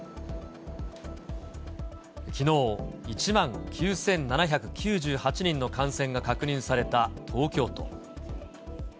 きのう、１万９７９８人の感染が確認された東京都。